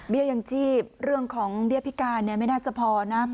ยังชีพเรื่องของเบี้ยพิการไม่น่าจะพอนะ